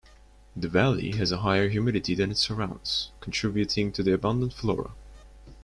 The valley has a higher humidity than it surrounds, contributing to the abundant flora.